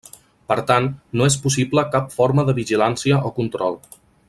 Per tant no és possible cap forma de vigilància o control.